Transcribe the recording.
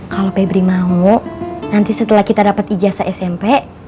kalau pebri mau nanti setelah kita dapat ijazah smp